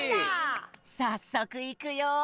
さっそくいくよ！